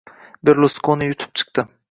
Berluskoni yutib chiqdi